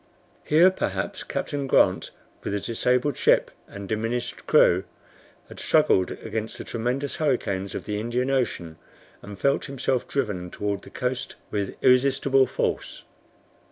Here, perhaps, Captain Grant, with a disabled ship and diminished crew, had struggled against the tremendous hurricanes of the Indian Ocean, and felt himself driven toward the coast with irresistible force.